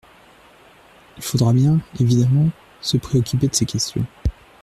Il faudra bien, évidemment, se préoccuper de ces questions.